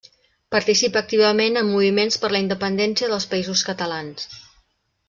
Participa activament en moviments per la independència dels Països Catalans.